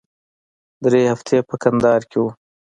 درې هفتې په کندهار کښې وو.